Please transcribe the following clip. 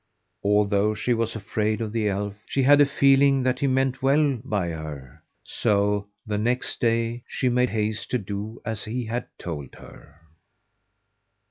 Although she was afraid of the elf, she had a feeling that he meant well by her. So the next day she made haste to do as he had told her.